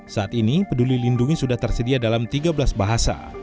saat ini peduli lindungi sudah tersedia dalam tiga belas bahasa